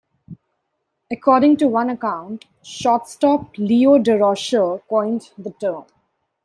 According to one account, shortstop Leo Durocher coined the term.